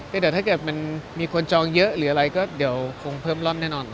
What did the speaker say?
แต่ถ้าเกิดมันมีคนจองเยอะหรืออะไรก็เดี๋ยวคงเพิ่มรอบแน่นอนนะครับ